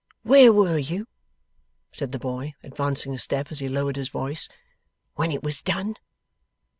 'Where were you,' said the boy, advancing a step as he lowered his voice, 'when it was done?